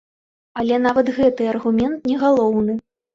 Але нават гэты аргумент не галоўны.